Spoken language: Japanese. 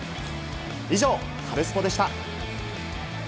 以上、カルスポっ！でした。